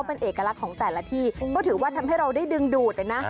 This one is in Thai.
เป็นเอกลักษณ์ของแต่ละที่ก็ถือว่าทำให้เราได้ดึงดูดนะ